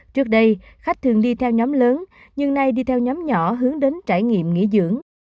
trước đây khách thường đi theo nhóm lớn nhưng nay đi theo nhóm nhỏ hướng đến trải nghiệm nghỉ dưỡng